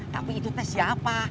tapi itu tes siapa